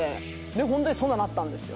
ホントにそんななったんですよ。